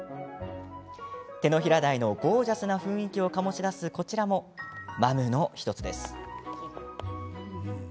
手のひら大のゴージャスな雰囲気を醸し出すこちらも、マムの１つです。